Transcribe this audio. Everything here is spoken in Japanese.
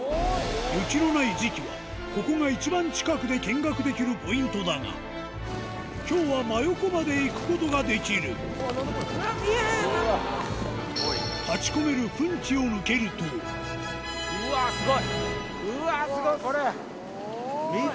雪のない時期はここが一番近くで見学できるポイントだが今日は真横まで行くことができる立ち込めるうわぁスゴい！